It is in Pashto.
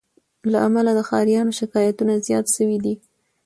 له امله د ښاریانو شکایتونه زیات سوي وه